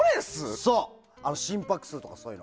心拍数とか、そういうの。